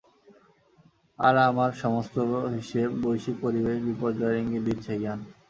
আর আমার সমস্ত হিসেব বৈশ্বিক পরিবেশ বিপর্যয়ের ইঙ্গিত দিচ্ছে, ইয়ান।